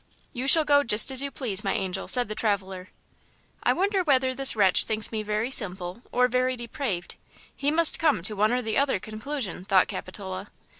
"You shall go just as you please, my angel," said the traveler. "I wonder whether this wretch thinks me very simple or very depraved? He must come to one or the other conclusion," thought Capitola.